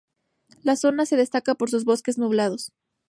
La zona se destaca por sus bosques nublados.